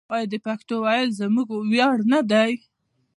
آیا د پښتو ویل زموږ ویاړ نه دی؟